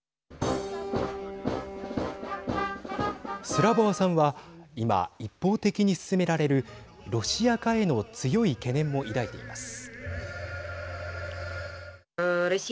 スラボワさんは今、一方的に進められるロシア化への強い懸念も抱いています。